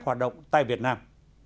hoạt động tại việt nam